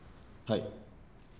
はい。